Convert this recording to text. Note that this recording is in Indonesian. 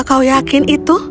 kau yakin itu